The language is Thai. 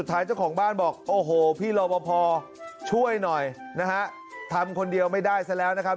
ท้ายเจ้าของบ้านบอกโอ้โหพี่รอบพอช่วยหน่อยนะฮะทำคนเดียวไม่ได้ซะแล้วนะครับ